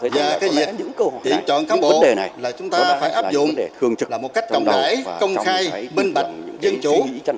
và cái việc tỉnh chọn cán bộ là chúng ta phải áp dụng là một cách công khai công khai bình bạch dân chủ